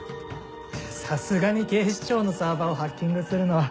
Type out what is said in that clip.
さすがに警視庁のサーバーをハッキングするのは。